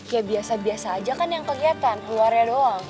ya biasa biasa aja kan yang kegiatan keluarnya doang